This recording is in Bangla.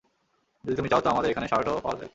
যদি তুমি চাও তো আমাদের এখানে শার্ট ও পাওয়া যায়।